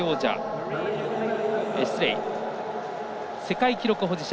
世界記録保持者